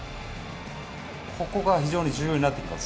ここが非常に重要になってきます。